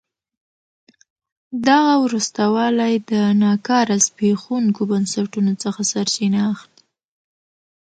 دغه وروسته والی د ناکاره زبېښونکو بنسټونو څخه سرچینه اخلي.